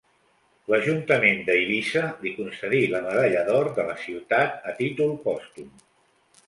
L'ajuntament d'Eivissa li concedí la medalla d'or de la ciutat a títol pòstum.